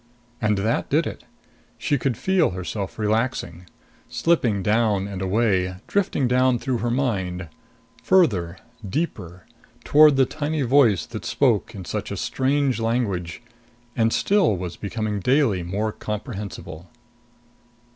And that did it. She could feel herself relaxing, slipping down and away, drifting down through her mind ... farther ... deeper ... toward the tiny voice that spoke in such a strange language and still was becoming daily more comprehensible.